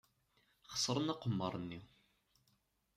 Xeṣren aqemmer-nni.